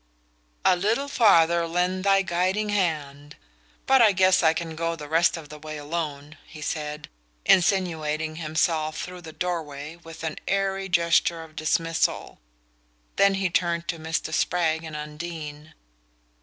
"'A little farther lend thy guiding hand' but I guess I can go the rest of the way alone," he said, insinuating himself through the doorway with an airy gesture of dismissal; then he turned to Mr. Spragg and Undine.